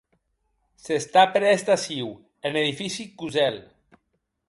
S’està près d’aciu, en edifici Kozel.